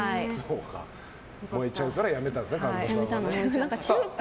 燃えちゃうからやめたんですね神田さんは。